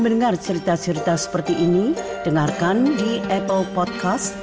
dengarkan di apple podcast